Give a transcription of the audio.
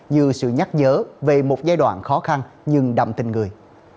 như sự nhắc nhớ về một giai đoạn khó khăn nhưng đậm tình người